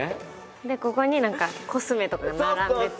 でここに何かコスメとかが並んでて。